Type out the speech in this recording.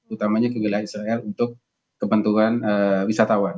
utamanya ke wilayah israel untuk kepentingan wisatawan